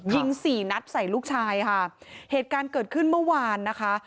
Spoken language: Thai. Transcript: สี่นัดใส่ลูกชายค่ะเหตุการณ์เกิดขึ้นเมื่อวานนะคะ